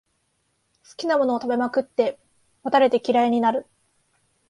好きなものを食べまくって、もたれて嫌いになる